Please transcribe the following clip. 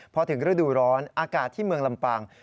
พอถึงฤดูร้อนอากาศที่เมืองลำปาง